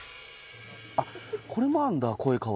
あっこれもあるんだああ